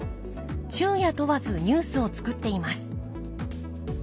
昼夜問わずニュースを作っています。